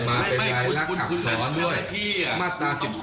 มาเป็นรายลักษณ์อับสรรค์ด้วย